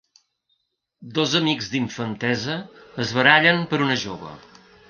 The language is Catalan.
Dos amics d’infantesa es barallen per una jove.